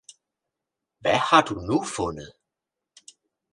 Hvad har du nu fundet!